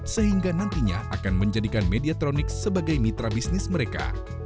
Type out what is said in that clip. sehingga nantinya akan menjadikan mediatronik sebagai mitra bisnis mereka